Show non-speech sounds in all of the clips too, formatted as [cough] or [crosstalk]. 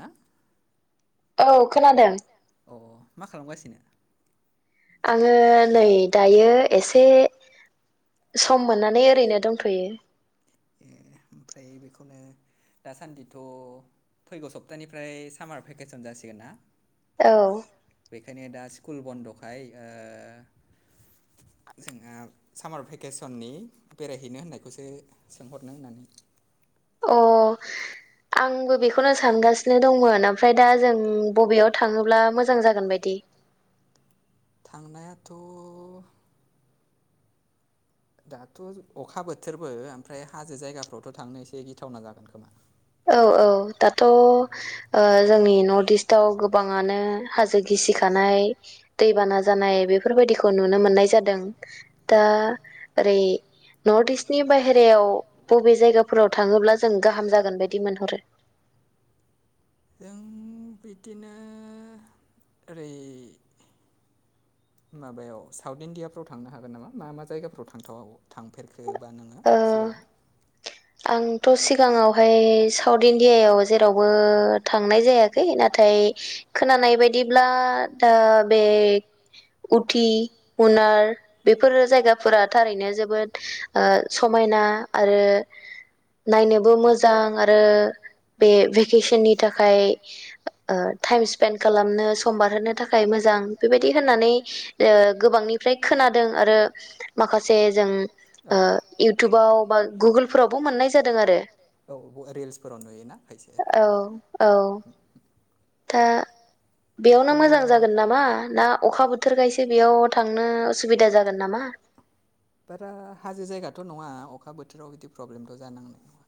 ना औ खोनादों मा खालामगासिनो? आङो नै दायो एसे सम मोननानै ओरैनो दंथ'यो। दासान्दिथ' फैगौ सप्तानिफ्राय सामार भेकेसन जासिगोन ना? औ। बेखायनो दा स्कुल बन्द'खाय ओ जोङो सामार भेकेसननि बेरायहैनो होननायखौसो सोंहरनो होननानै अ आंबो बेखौनो सानगासि नो दंमोन ओमफ्राय दा जों बबेयाव थाङोब्ला मोजां जागोन बायदि? थांनायाथ' दाथ' अखा बोथोरबो ओमफ्राय हाजो जायगाफ्रावथ' थांनो एसे गिथावना जागोन खोमा। औ औ दाथ' ओ जोंनि नर्थ इस्ट आव गोबाङानो हाजो गिसिखानाय दैबाना जानाय बेफोरबायदिखौ नु नो मोननाय जादों दा ओरै नर्थ इस्टनि बायहारायाव बबे जायगाफोराव थाङोब्ला जों गाहाम जागोन बायदि? जों बे दिनो ओरै- माबायाव साउथ इण्डियाफ्राव थांनो हागोन नामा मा मा जायगाफ्राव थांथाव थांफेर खो बा नोङो सिगांआव आंथ' सिगाङावहाय साउथ इण्डियायाव जेरावबो थां नाय जायाखै नाथाय खोनानाय बायदिब्ला दा बे उथि उनार बेफोरो जायगाफोरा थारैनो जोबोद समायना आरो नायनोबो मोजां आरो बे भेकेशननि थाखाय ओ टाइम स्पेन्ड खालामनो सम बारहोनो थाखाय मोजां बेबायदि होननानै गोबांनिफ्राय खोनादों आरो माखासे जों ओ इउटुबाव बा गुगोलफोरावबो मोननाय जादों आरो। फोराव नुयोना खायसे दा बेयावनो मोजां जागोन नामा ना अखा बोथोरखायसो बेयाव थांनो उसुबिदा जागोन नामा बारा हाजो जायगाथ' नङा अखा बोथोराव बिदि प्रब्लेमथ' जानाङा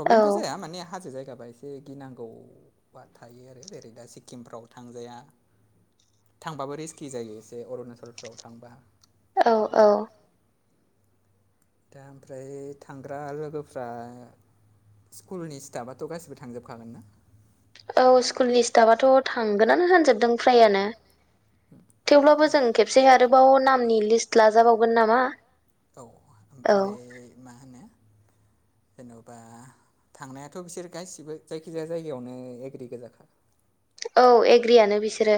प्रब्लेमथ' जाया माने हाजो जा यगाबा एसे गिनांगौआ थायो आरो जेरै दा सिक्किमफ्राव थांजाया थांबाबो रिस्कि जायो एसे अरुणाचलफ्राव थांबा औ औ दा ओमफ्राय थांग्रा लोगोफ्रा स्कुलनि स्टाफाथ' गासिबो थांजोबखागोन ना औ स्कुलनि स्टाफाथ' थांगोनानो होनजोबदों फ्रायानो थेवब्लाबो जों खेबसे आरोबाव नामनि लिस्ट लाजाबावगोन नामा औ ओमफ्राय मा होनो जेन'बा थांनायाथ' बिसोर गासिबो जायखिजाया जायगायावनो एग्रि गोजाखा औ एग्रियानो बिसोरो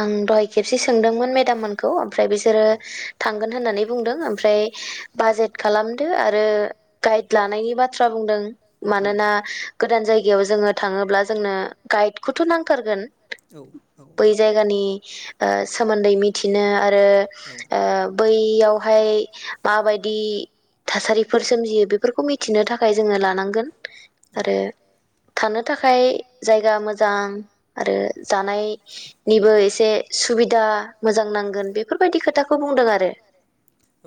आं दहाय खेबसे सोंदोंमोन मेदाम मोनखौ ओमफ्राय बिसोरो थांगोन होनना नै बुंदों ओमफ्राय बाजेट खालामदो आरो गाइड लानायनि बा थ्रा बुंदों मानोना गोदान जायगायाव जोङो थाङोब्ला जोंनो गाइदखौथ' नांथारगोन औ औ जायगानि ओ सोमोन्दै मिथिनो आरो ओ बैयावहाय माबायदि थासारिफोर सोमजियो बेफोरखौ मिथिनो थाखाय जोङो लानांगोन आरो थानो थाखाय जायगा मोजां आरो जानाय निबो एसे सुबिदा मोजां नांगोन बेफोरबायदि खोथाखौ बुंदों आरो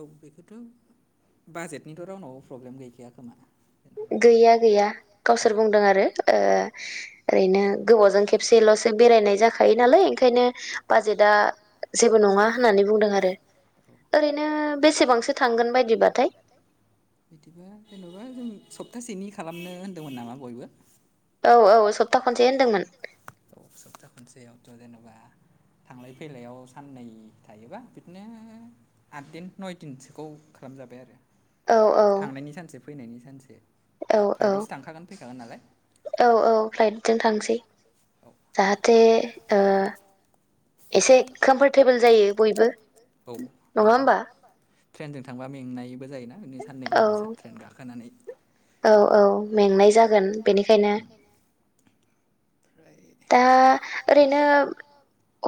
औ बेखौथ' बाजेटनिथ' रावनावबो प्रब्लेम गैखाया खोमा गैया गैया गावसोर बुंदों आरो ओ ओरैनो गोबावजों खेबसेल' एसेल'सो बेरायनाय जाखायो नालाय ओंखायनो बाजेटआ जेबो नङा होननानै बुंदों आरो ओरैनो बेसेबांसो थांगोन बायदिबाथाय बिदिबा जेन'बा जों सप्तासेनि खालामनो होनदोंमोन नामा बयबो औ औ सप्ता खनसे होनदोंमोन थ' जेन'बा थांलाय फैलायाव साननै थायोबा बिदिनो आददिन न'इदिनसोखौ खालाम जाबाय आरो थांनायनि सानसे फैनायनि सानसे फ्लााइटआवसो थांखागोन फैखागोन नालाय औ औ फ्लाइटजों थांसै जाहाथे ओ एसे कमफटेबोल जायो बयबो औ औ ट्रेनजों थांबा मेंनाय बो जायोना बिनि साननैगाहाम ट्रेन गाखोनानै औ औ मेंनाय जागोन बेनिखायनो दा ओरैनो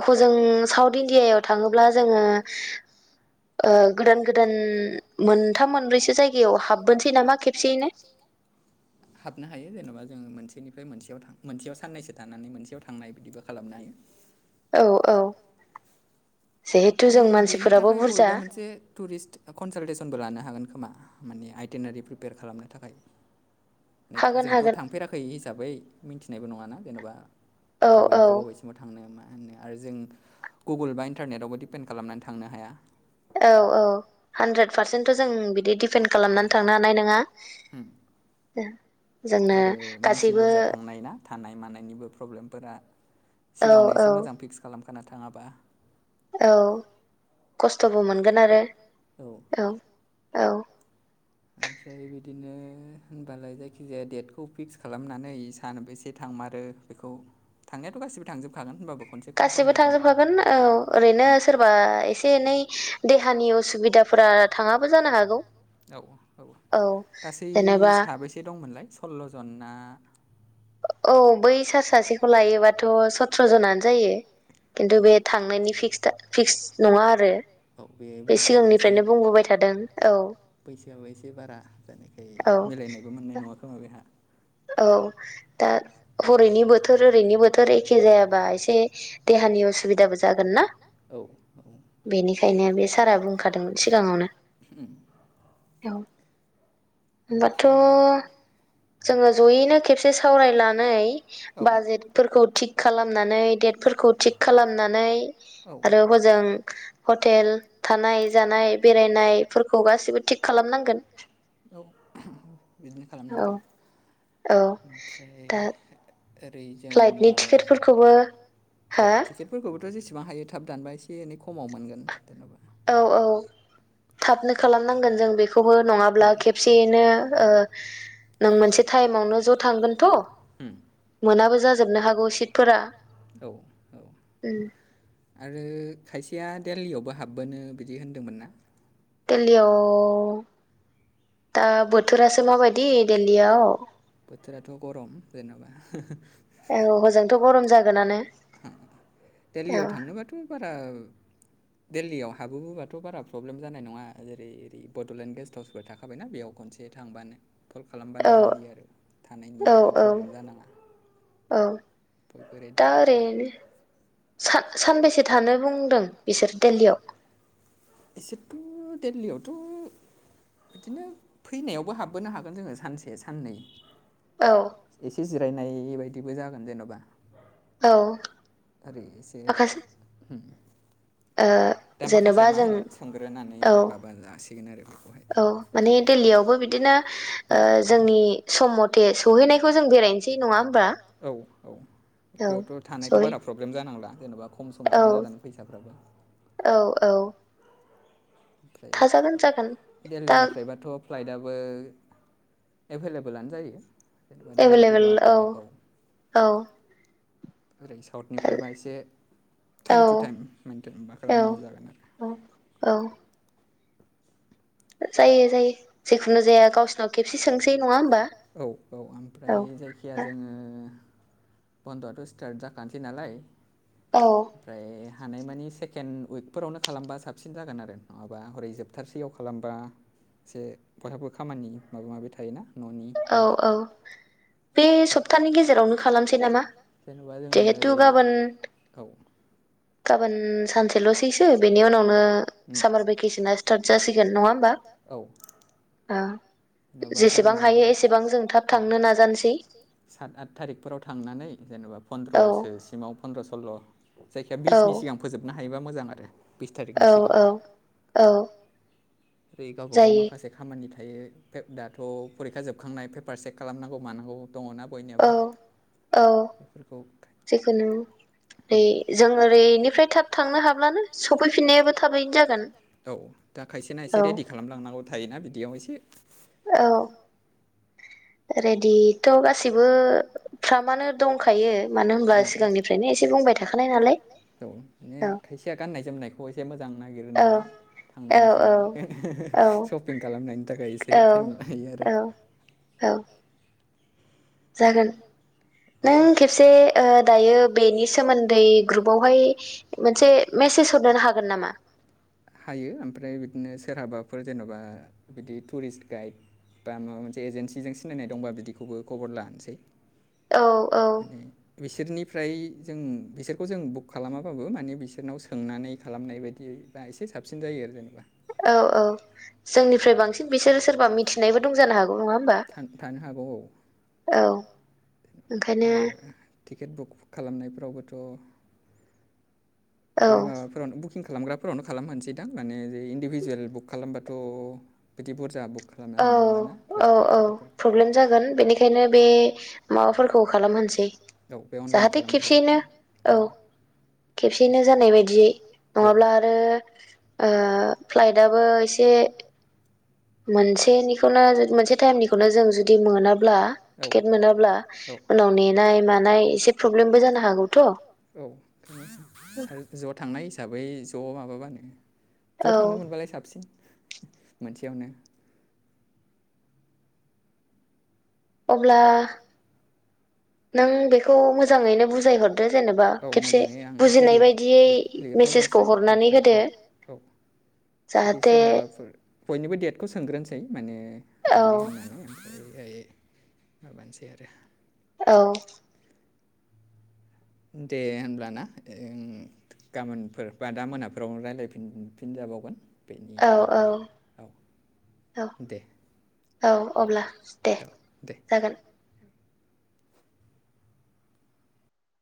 हजों साउथ इण्डिआयाव थाङोब्ला जोङो ओ गोदान गोदान मोनथाम मोनब्रैसो जायगायाव हाबबोनोसै नामा खेबसेयैनो हाबनो हायो जेन'बा मोनसेनिफ्राय मोनसेयाव थां मोनसेयाव साननैसो थानानै मोनसेयाव थांनाय बिदिबो खालामनो हायो औ औ [unintelligible] हागोन खोमा माने आइटेनारि प्रिपेयार खालामनो थाखाय जोंथ' थांफेराखै हिसाबै मिथिनायबो नङाना जेनबा [inaudible] खालामनानै थांनो हाया औ औ हानद्रेद पारसेन्थ' जों बिदि दिपेन्ड खालामनानै थांनो हानाय नङा [inaudible] आरो मानसि बुरजा थांनाय ना थानाय मानायनिबो प्रब्लेमफोरा सिगाङावनो एसे मोजां फिक्स खालामखाना थाङाबा औ खस्थ'बो मोनगोन आरो औ औ ओमफ्राय बिदिनो होनबालाय जायखिजाया डेटखौ फिक्स खालामनानै सान बेेसे थाम मारो बेखौ थांनायाथ' गासिबो थांजोबखागोन होनबाबो गासिबो थांजोबफागोन औ ओरैनो सोरबा एसे एनै देहानि उसुबिदा फोरा थाङाबो जानो हागौ गासै साबैसे दंमोनलाय सल्ल'जना औ बै सा सासेखौ लायोबाथ' सत्र'जनानो जायो खिन्थु बे थांनायनि फिक्सटा नङा आरो बे सिगांनिफ्रायनो बुंबोबाय थादों औ एसे बारा जायनिखाय मिलायनायबो मोननाय नङा खोमा बेहा [inaudible] औ दा हरैनि बोथोर ओरैनि बोथोर एखे जायाबा एसे देहानियाव [inaudible] बेनिखायनो बे सारा बुंखादोंमोन सिगाङावनो उम औ होनबाथ' जोङो जयैनो खेबसे सावरायनानै बाजेटफोरखौ थिग खालामनानै डेटफोरख खौ थिग खालामनानै आरो हजों हटेल थानाय जानाय बेराय नायफोरखौ गाैबो थिग खालामनांगोन औ बिदिनो खालामनांगोन ओमफ्राय ओरै जों माबाफोर औ टिकेटफोरखौबोथ' जेसे बां हायो थाब दानबा एसे एनै खमाव मोनगोन जेनेबा औ औ थाबनो खालामनांगोन जों बेख बखौबो नङाब्ला खेबसेयैनो नों मोनसे टाइमावनो ज' थांगोनथ' मोनाबो जाजोबनो हागौ सिटफोरा औ औ आरो खायसेया देल्लीयावबो हाबबोनो बिदि होनदोंमोन ना देल्लिआव दा बोथोरासो माबायदि देल्लीयाव बोथोराथ' गरम जेनबा देल्लीयाव थांनोबाथ' बारा दिल्लीयाव हाबोबाथ' बारा प्रब्लेम जानाय नङा जेरै ओर बडलेण्ड गेस्ट हाउसफोर थाखाबायना बेयाव खनसे थांबानो फल खालामबानो जायो आरो थानायनियाथ' प्रब्लेम जानाङा [inaudible] सा सानबेसे थानो बुंदों बिसोर देल्लीयाव बिसोरथ' देल्लीयावथ' बिदिनो फैनायावबो हाबबोनो हागोन जोङो सानसे साननै औ जिरायनाय बायदिबो जागोन जेन'बा आरो एसे ओ जेनेबा जों सोंग्रोनानै माबा जासिगोन आरो। औ माने दिल्लीयावबो बिदिनो जोंनि सम मथे सहैनायखौ जों बेरायनोसै नङा होमबा। बेयावथ' थानायखौ बारा प्रब्लेम जानांला जेन'बा खम समावनो जागोन फैसाफ्राबो। ओमफ्राय दिल्लीनिफ्रायबाथ' फ्लाइटआबो एभेलेबोेलानो जायो। एभलबेल औ औ ओरै साउथनिफ्रायबा एसे टाइम टु टाइम मेइन्टेन मा खालामनांगौ जागोन आरो। औ जायो जायो जेखुनु जाया गावसोरनाव खेबसे सोंसै नङा होमबा औ। जायखिया जोङो। बन्द'आथ' स्टार्ट जाखानोसै नालाय ओमफ्राय हानाय मानि सेकेनड उइकफोरावनो खालामबा साबसिन जागोन आरो नङाबा हरै जोबथारसेयाव खालामबा एसे बयहाबो खामानि माबा माबि थायोना। औ औ बे सप्तानि गेजेरावनो खालामसै नामा जेनेबा जोङो ओरै गाबोन औ गाबोन सानसेल'सैसो बेनि उनावनो सामार भेकेसना स्टार्ट जासिगोन नङा होमबा? जेसेबां हायो थाब थांनो नाजा सात आट थारिखफोराव थांनानै जेन'बा पन्द्रसो सिमाव फन्दद्र' सल्ल' जायखिया बिसनि सिगां फोजोबनो हायोबा मोजां आरो। औ औ औ ओै गावबा गाव माखासे खामानिफोर ओमफायो दाथ' फरिखा जोबखांनाय पेपार चेक खालामनांगौ मानांगौ दङना बयनियाबो। औ जिखुनु जों ओरैनिफ्राय थाब थांनो हाब्लानो सफैफिननायाबो थाबैनो जागोन औ दाखायसे ना एसे रेडि खालामलांनांगौ थायोना बिदियाव एसे औ रेडिथ' गासिबो फ्रामानो दंखायो मानो होनब्ला सिगांनिफ्रायनो एसे बुं औ खायसेया गाननाय जोमनायखौ एसे मोजां नागिरो नालाय। थांनायनि सिगां शपिं खालामनायनि थाखाय एसे टाइम लायो आरो। औ जागोन। नों खेबसे दायो बेनि सोमोन्दै ग्रुबावहाय मोनसे मेसेज हरनो हागोन नामा? हायो ओमफ्राय बिदिनो सोरहाबाफोर जेन'बा बिदि टुरिस्ट गाइड बा माबा मोनसे एजेन्सिजों सिनायनाय दंबा बिदिखौबो खबर लानोसै। बिसोरनि फ्राय जों बिसोरखौ जों बुक खालामाबाबो माने बिसोरनाव सोंनानै खालामनाय बायदि बा एसे साबसिन जायो आरो जेनेबा औ औ जोंनिफ्राय बांसिन बिसोरो सोरबा मिथिनायबो दंजानो हागौ थानो हागौ। [inaudible] औ ओंखायनो टिकेट बुक खालामनायफोरावबोथ' बे माबाफोरावनो बुकिं खालामग्राफोरावनो खालामहानोसै दां माने जे इन्दिभिजुवेल बुक खालामबाथ' बिदि बुरजा बुक खालामनो हानाय नङाना फ्लाइट टिकेटफोरखौ प्रब्लेम जागोन बेनिखायनो बे माबाफोरखौ खालाम औ बे अनलाइन खालामग्रा औ खेबसेयनो जानाय बायदियै नङाब्ला आरो ओ फ्लाइटआबो एसे मोनसेनिखौनो मोनसे टाइमनिखौनो जों जुदि मोनाब्ला टिकेट मोनाब्ला उनाव नेनाय मानाय एसे प्रब्लेमबो जानो हागौथ' आरो ज' थांनाय हिसाबै ज' माबाबानो ज' थांनो मोनबालाय साबसिन मोनसेयावनो। अब्ला नों बेखौ मोजाङैनो बुजायहरदो जेनेबा खेब [unintelligible] ओमफ्राय औ औ बिदि सोरहाबाफोर बयनिबो डेटखौ सोंग्रोनोसै माने बिदि होननानै ओमफ्रायहाय माबानोसै आरो। औ। दे होनब्लाना ओं गामोनफोर बा दा मोनाफोराव रायलायफिन फिनजा जाबावगोन बेनि माबायै औ। औ औ अब्ला दे जागोन।